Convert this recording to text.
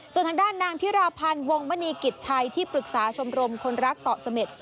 ส่วนทางด้านนางพิราพันธ์วงมณีกิจชัยที่ปรึกษาชมรมคนรักเกาะเสม็ด